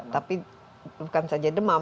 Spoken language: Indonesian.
tapi bukan saja demam